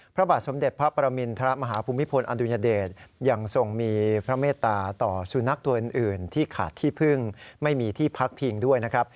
พระบาทสมเด็จพระประมินทรมาฮภูมิพลอดุญเดชยังทรงมีพระเมตตาต่อสุนัขตัวอื่นที่ขาดที่พึ่งไม่มีที่พักพิงด้วยนะครับ